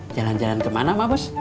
jalan jalan kemana mak bos